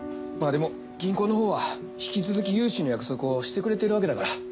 まあでも銀行のほうは引き続き融資の約束をしてくれてるわけだから。